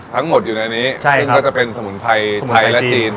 ทั้งหมดอยู่ในนี้ซึ่งก็จะเป็นสมุนไพรไทยและจีน